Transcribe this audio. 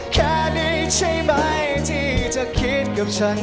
แค่นี้ใช่ไหมที่จะคิดกับฉัน